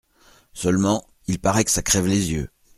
Seulement, il paraît que ça crève les yeux.